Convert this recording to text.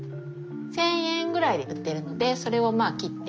１，０００円ぐらいで売ってるのでそれをまあ切って。